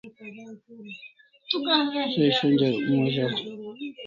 Se shonja Rukmu azalaw